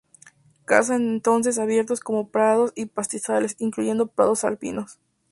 Caza en entornos abiertos como prados y pastizales, incluyendo prados alpinos.